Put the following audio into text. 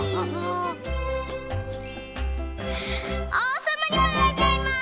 おうさまにもなれちゃいます！